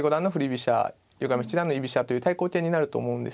飛車横山七段の居飛車という対抗型になると思うんですけど